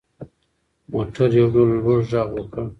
موټر یو ډول لوړ غږ وکړ.